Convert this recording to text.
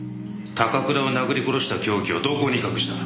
高倉を殴り殺した凶器をどこに隠した？